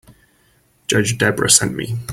Judge Debra sent me.